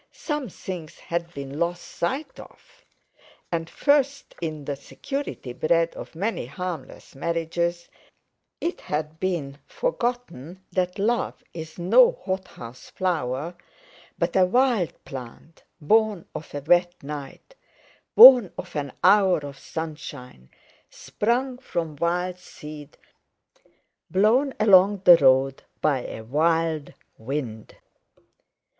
Some things had been lost sight of. And first, in the security bred of many harmless marriages, it had been forgotten that Love is no hot house flower, but a wild plant, born of a wet night, born of an hour of sunshine; sprung from wild seed, blown along the road by a wild wind.